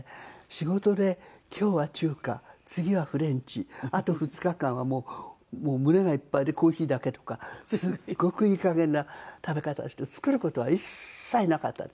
仕事で今日は中華次はフレンチあと２日間は胸がいっぱいでコーヒーだけとかすっごくいい加減な食べ方をして作る事は一切なかった。